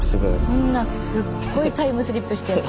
そんなすごいタイムスリップしちゃって。